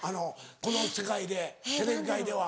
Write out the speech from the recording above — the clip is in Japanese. この世界でテレビ界では。